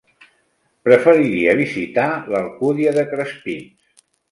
Preferiria visitar l'Alcúdia de Crespins.